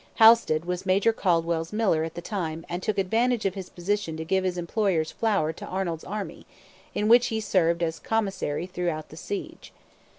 Halsted was Major Caldwell's miller at the time and took advantage of his position to give his employer's flour to Arnold's army, in which he served as commissary throughout the siege.